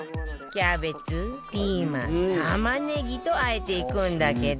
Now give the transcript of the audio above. キャベツピーマン玉ねぎと和えていくんだけど